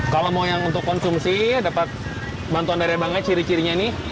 kalau mau yang untuk konsumsi dapat bantuan dari banknya ciri cirinya nih